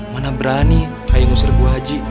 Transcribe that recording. mana berani kayak ngusir buah haji